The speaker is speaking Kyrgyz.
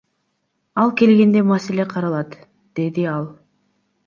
Ал келгенде маселе каралат, — деди ал.